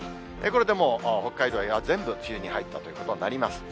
これでもう、北海道以外は全部梅雨に入ったということになります。